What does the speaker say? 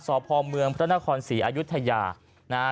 สพเมืองพคศอยุธยา